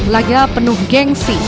laga penuh gengsi